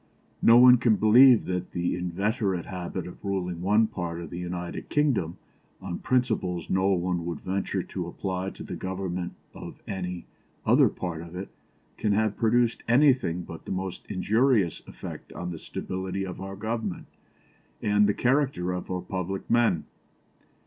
No one can believe that the inveterate habit of ruling one part of the United Kingdom on principles which no one would venture to apply to the government of any other part of it, can have produced anything but the most injurious effect on the stability of our Government and the character of our public men.